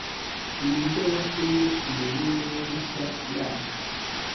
Ni nde watumye iyo nyenyeri nshya yaka